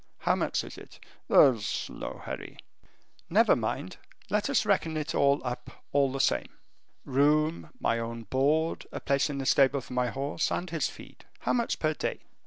How much is it?" "There is no hurry." "Never mind, let us reckon it all up all the same. Room, my own board, a place in the stable for my horse, and his feed. How much per day?"